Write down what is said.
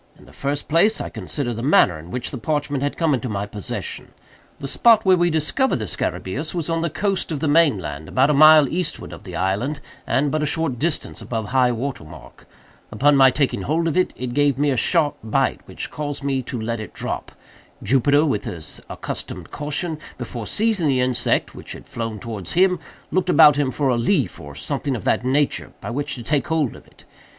In the first place I considered the manner in which the parchment had come into my possession. The spot where we discovered the scarabæus was on the coast of the main land, about a mile eastward of the island, and but a short distance above high water mark. Upon my taking hold of it, it gave me a sharp bite, which caused me to let it drop. Jupiter, with his accustomed caution, before seizing the insect, which had flown towards him, looked about him for a leaf, or something of that nature, by which to take hold of it.